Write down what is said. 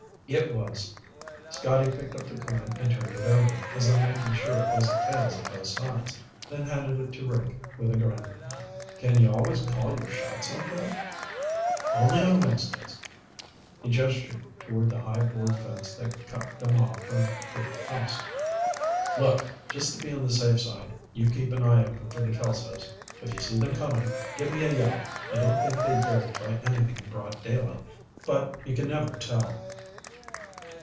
It was. Scotty picked up the coin and turned it over, as though making sure it wasn't tails on both sides, then handed it to Rick with a grin. "Can you always call your shots like that?" "Only on Wednesdays." He gestured toward the high board fence that cut them off from Creek House. "Look, just to be on the safe side, you keep an eye open for the Kelsos. If you see them coming, give me a yell. I don't think they'd dare try anything in broad daylight, but you can never tell."